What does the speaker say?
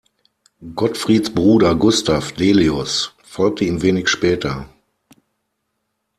Gottfrieds Bruder Gustav Delius folgte ihm wenig später.